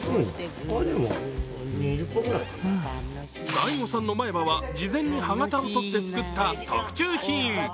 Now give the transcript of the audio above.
大悟さんの前歯は事前に歯型をとって作った特注品。